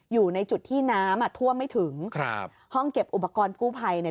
อยู่ในจุดที่น้ำอ่ะท่วมไม่ถึงครับห้องเก็บอุปกรณ์กู้ภัยเนี่ย